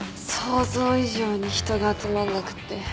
想像以上に人が集まんなくて。